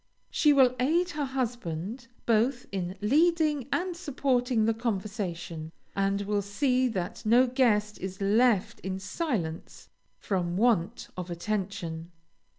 She will aid her husband both in leading and supporting the conversation, and will see that no guest is left in silence from want of attention.